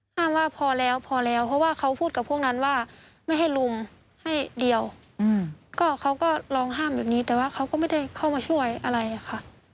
ว่าพอแล้วพอแล้วเพราะว่าเขาพูดกับพวกนั้นว่าไม่ให้ลุงให้เดียวก็เขาก็ลองห้ามแบบนี้แต่ว่าเขาก็ไม่ได้เข้ามาช่วยอะไรค่ะ